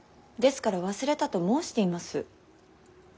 ですから忘れたと申しています。